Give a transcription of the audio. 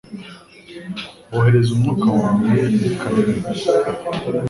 Wohereza umwuka wawe bikaremwa